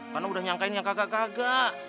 karena udah nyangkain yang kagak kagak